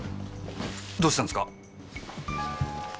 どうしたんですか？